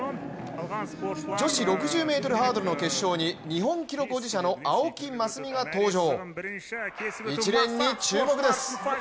女子６０ｍハードルの決勝に日本記録保持者の青木益未が登場、１レーンに注目です。